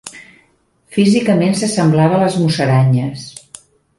Físicament s'assemblava a les musaranyes.